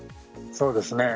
そうですね。